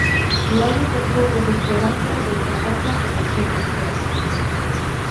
Loli ten poucas esperanzas de que a casa se manteña en pé.